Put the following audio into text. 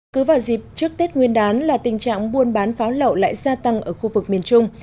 cứ vào dịp trước tết nguyên đán là tình trạng buôn bán pháo lậu lại gia tăng ở khu vực miền trung